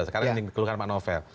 sekarang yang dikeluhkan pak novel